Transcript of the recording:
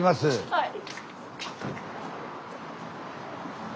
はい。